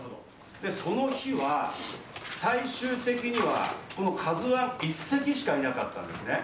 その日は最終的にはこの「ＫＡＺＵ１」１隻しかいなかったんですね。